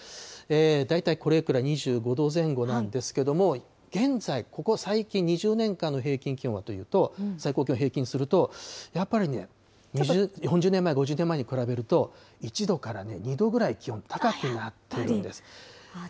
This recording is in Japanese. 大体これくらい、２５度前後なんですけれども、現在、ここ最近２０年間の平均気温はというと、最高気温、平均するとやっぱりね、４０年前、５０年前に比べると、１度から２度ぐらい気温、高くなってるんです。